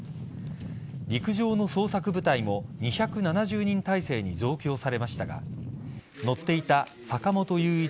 陸上の捜索部隊も２７０人態勢に増強されましたが乗っていた坂本雄一